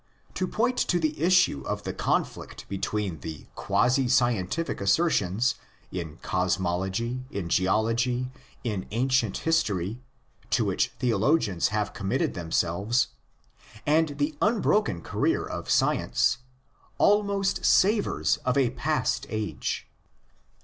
To point to the issue of the conflict between the quasi scientific assertions, in cosmology, in geology, in ancient history, to which theologians have com mitted themselves, and the unbroken career of science, almost savours of a past age.